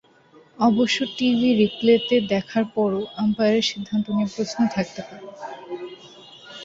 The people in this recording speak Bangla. অবশ্য টিভি রিপ্লেতে দেখার পরও আম্পায়ারের সিদ্ধান্ত নিয়ে প্রশ্ন থাকতে পারে।